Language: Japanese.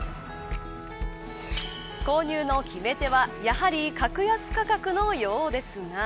購入の決め手はやはり格安価格のようですが。